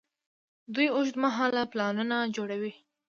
دوی اوږدمهاله پلانونه جوړوي.